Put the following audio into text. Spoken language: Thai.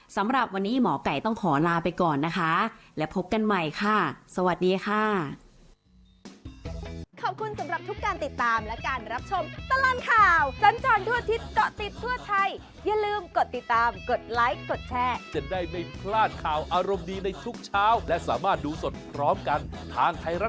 สำหรับวันนี้หมอไก่ต้องขอลาไปก่อนนะคะและพบกันใหม่ค่ะสวัสดีค่ะ